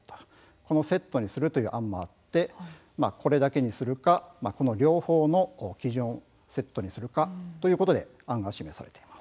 これをセットにするという案もあって、これだけにするか両方の基準をセットにするか、ということで案が示されています。